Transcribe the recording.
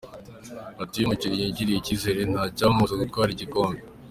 ati ” Iyo umukinnyi yigiriye icyizere nta cyamubuza gutwara igikombe.